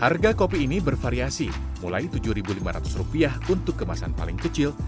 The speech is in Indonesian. harga kopi ini bervariasi mulai rp tujuh lima ratus untuk kemasan paling kecil